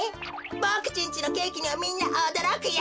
ボクちんちのケーキにはみんなおどろくよ。